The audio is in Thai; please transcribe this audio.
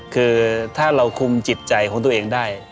คือถ้าเราคุมจิตใจของตัวเองได้